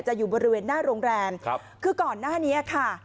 อยู่บริเวณหน้าโรงแรมครับคือก่อนหน้านี้ค่ะ